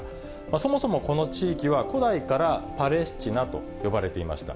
そもそもこの地域は、古代からパレスチナと呼ばれていました。